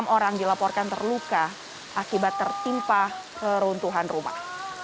enam orang dilaporkan terluka akibat tertimpa reruntuhan rumah